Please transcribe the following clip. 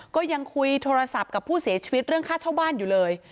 ก็ยังคุยโทรศัพท์กับผู้เสียชีวิตเรื่องค่าเช่าบ้านอยู่เลย